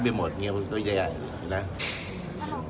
ที่ยังไมคุณที่จะแก้ปัญหาที่ไม่สามารถใกล้